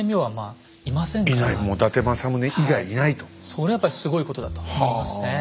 それやっぱりすごいことだと思いますね。